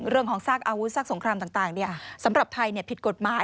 เรื่องของซากอาวุธซากสงครามต่างสำหรับไทยผิดกฎหมาย